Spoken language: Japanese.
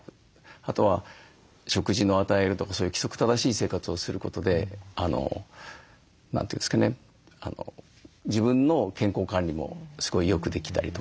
あとは食事を与えるとかそういう規則正しい生活をすることで何て言うんですかね自分の健康管理もすごいよくできたりとか。